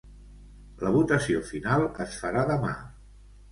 La votació final es farà demà.